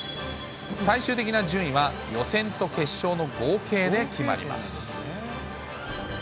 最終的な順位は、予選と決勝の合計で決まります。